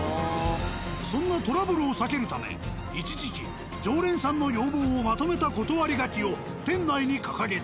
そんなトラブルを避けるため一時期常連さんの要望をまとめた断り書きを店内に掲げた。